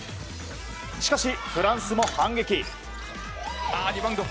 しかし、フランスも反撃。